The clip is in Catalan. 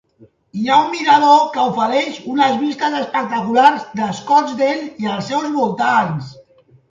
Hi ha un mirador que ofereix unes vistes espectaculars de Scottsdale i els seus voltants.